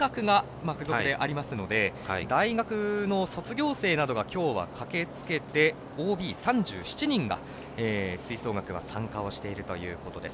ただ、大学が付属でありますので大学の卒業生が駆けつけてＯＢ３７人が吹奏楽参加しているということです。